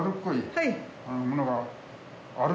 はい。